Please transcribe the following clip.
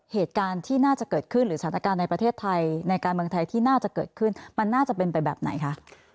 เหตุการณ์ที่น่าจะเกิดขึ้นหรือสถานการณ์ในประเทศไทยในการเมืองไทยที่น่าจะเกิดขึ้นมันน่าจะเป็นไปแบบไหนคะ